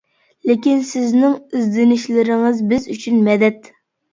لېكىن سىزنىڭ ئىزدىنىشلىرىڭىز بىز ئۈچۈن مەدەت.